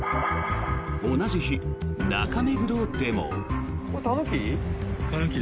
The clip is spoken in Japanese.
同じ日、中目黒でも。